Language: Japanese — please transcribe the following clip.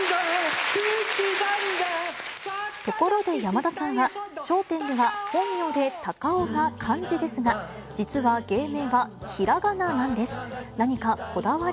ところで山田さんは、笑点では本名で隆夫が漢字ですが、実は芸名がひらがななんです。